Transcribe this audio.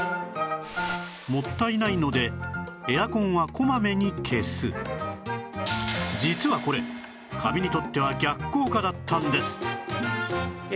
さらに皆さん実はこれカビにとっては逆効果だったんです